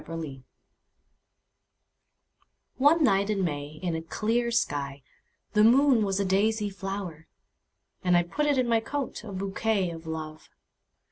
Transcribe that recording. My Flower ONE night in May in a clear skyThe moon was a daisy flower:And! put it in my coat,A bouquet of Love!